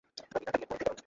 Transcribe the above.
আমি নাটালির বইতে এটা পড়েছি।